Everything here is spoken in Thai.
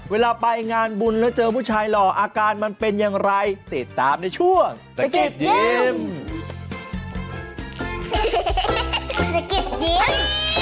เวลาไปงานบุญแล้วเจอผู้ชายหล่ออาการมันเป็นอย่างไรติดตามในช่วงสะกิดยิ้ม